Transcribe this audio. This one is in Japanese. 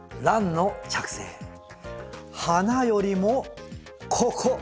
花よりもここ！